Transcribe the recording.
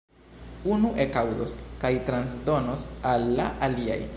Unu ekaŭdos kaj transdonos al la aliaj.